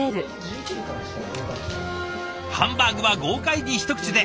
ハンバーグは豪快に一口で。